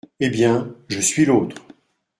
Eh ! bien, je suis l’autre !…